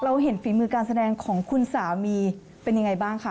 เห็นฝีมือการแสดงของคุณสามีเป็นยังไงบ้างคะ